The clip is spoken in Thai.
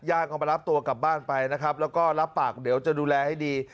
เอามารับตัวกลับบ้านไปนะครับแล้วก็รับปากเดี๋ยวจะดูแลให้ดี